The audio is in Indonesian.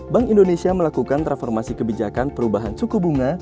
bank indonesia melakukan transformasi kebijakan perubahan suku bunga